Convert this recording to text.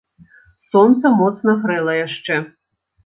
Сонца моцна грэла яшчэ.